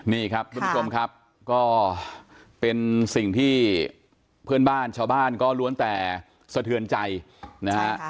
นี่ครับทุกผู้ชมครับก็เป็นสิ่งที่เพื่อนบ้านชาวบ้านก็ล้วนแต่สะเทือนใจนะฮะ